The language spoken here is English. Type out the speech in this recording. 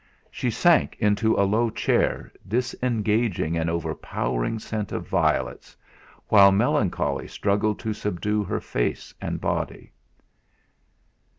She sank into a low chair, disengaging an overpowering scent of violets, while melancholy struggled to subdue her face and body.